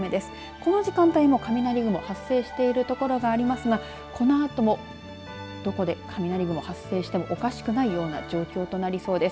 この時間帯も雷雲発生している所がありますがこのあともどこで雷雲が発生してもおかしくないような状況となりそうです。